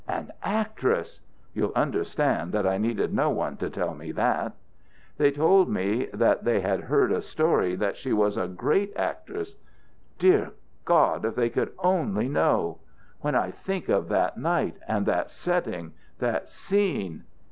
An actress! You'll understand that I needed no one to tell me that! "They told me that they had heard a story that she was a great actress. Dear God, if they could only know! When I think of that night and that setting, that scene!